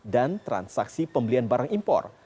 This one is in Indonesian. dan transaksi pembelian barang impor